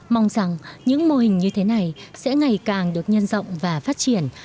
mong rằng những mô hình như thế này sẽ ngày càng được nhân rộng và phát triển